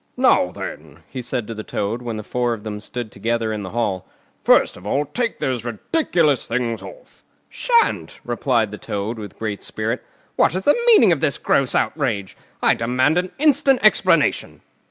"Now then!" he said to the Toad, when the four of them stood together in the Hall, "first of all, take those ridiculous things off!" "Shan't!" replied Toad, with great spirit. "What is the meaning of this gross outrage? I demand an instant explanation."